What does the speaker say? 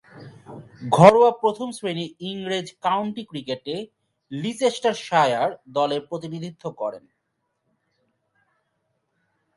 ঘরোয়া প্রথম-শ্রেণীর ইংরেজ কাউন্টি ক্রিকেটে লিচেস্টারশায়ার দলের প্রতিনিধিত্ব করেন।